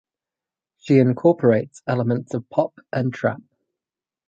She incorporates elements of pop and trap.